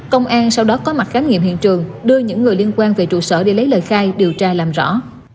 công an sau đó có mặt khám nghiệm hiện trường đưa những người liên quan về trụ sở để lấy lời khai điều tra làm rõ